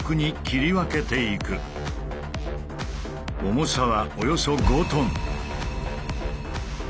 重さはおよそ５ｔ。